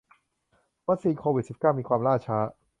วัคซีนโควิดสิบเก้ามีความล่าช้า